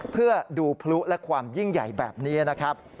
เพื่อดูพลุและความยิ่งใหญ่แบบนี้นะครับ